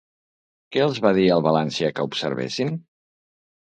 Què els va dir el València que observessin?